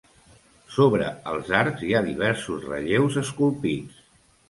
Sobre els arcs hi ha diversos relleus esculpits.